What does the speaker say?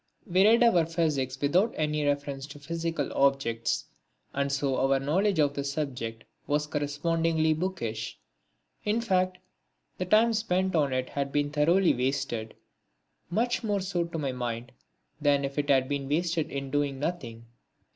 We read our physics without any reference to physical objects and so our knowledge of the subject was correspondingly bookish. In fact the time spent on it had been thoroughly wasted; much more so to my mind than if it had been wasted in doing nothing.